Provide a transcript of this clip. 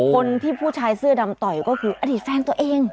ผู้ชายเสื้อดำต่อยก็คืออดีตแฟนตัวเอง